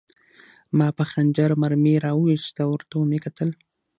ما په خنجر مرمۍ را وویسته او ورته مې وکتل